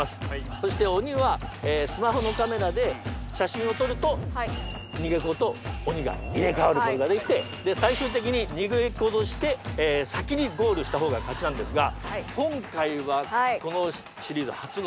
そして鬼はスマホのカメラで写真を撮ると逃げ子と鬼が入れ替わることができて最終的に逃げ子として先にゴールしたほうが勝ちなんですが。